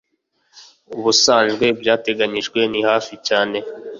ubusanzwe ibyateganijwe ni hafi cyane